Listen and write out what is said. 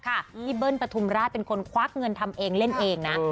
ก็ต้มแซ่บค่ะที่เบิ้ลประทุมราชเป็นคนควักเงินทำเองเล่นเองนะ